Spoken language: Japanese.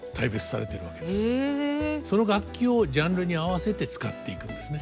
その楽器をジャンルに合わせて使っていくんですね。